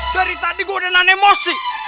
dari tadi gua udah nan emosi